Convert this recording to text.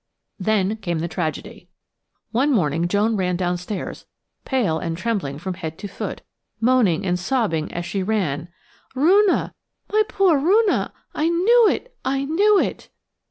Then came the tragedy. One morning Joan ran downstairs, pale, and trembling from head to foot, moaning and sobbing as she ran: "Roonah!–my poor old Roonah!–I knew it–I knew it!"